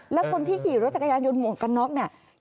แล้วคนที่ขี่รถจักรยานยนต์หมวกกันน็อกเนี่ย